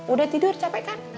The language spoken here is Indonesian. udah tidur capek kan